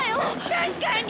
確かに。